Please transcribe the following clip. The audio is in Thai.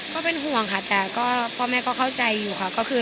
แกเป็นห่วงบ้างรึยังคะเพราะเราห่วงมาจนไม่มีเวลาพัดผ่อนเท่าไร